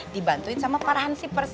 dibantuin sama parahan si pers